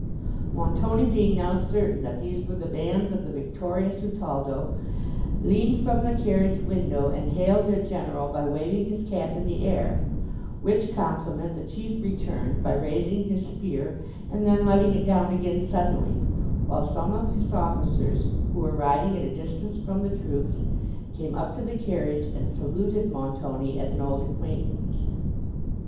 Montoni being now certain that these were the bands of the victorious Utaldo, leaned from the carriage window, and hailed their general by waving his cap in the air; which compliment the chief returned by raising his spear, and then letting it down again suddenly, while some of his officers, who were riding at a distance from the troops, came up to the carriage, and saluted Montoni as an old acquaintance.